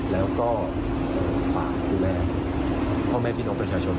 แล้วก็ฝากดูแลพ่อแม่พี่น้องประชาชน